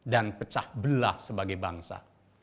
dan pecah belah sebagai bangsa